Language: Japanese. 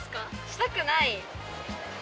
したくない。